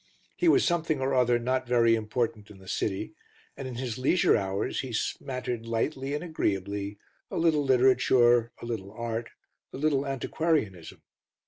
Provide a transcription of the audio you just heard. He was something or other not very important in the City, and in his leisure hours he smattered lightly and agreeably a little literature, a little art, a little antiquarianism.